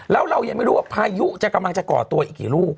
แล้วเรายังไม่รู้ว่าพายุจะกำลังจะก่อตัวอีกกี่ลูก